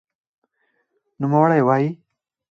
نوموړی وايي